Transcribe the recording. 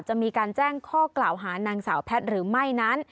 จะมีการแจ้งข้อกล่าวหานางสาวแพทย์หรือไม่นั้น